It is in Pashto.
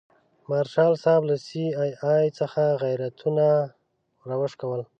مارشال صاحب له سي آی اې څخه غیرانونه راوشکول.